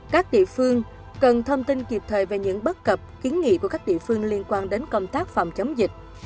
các địa phương cần thông tin kịp thời về những bất cập kiến nghị của các địa phương liên quan đến công tác phòng chống dịch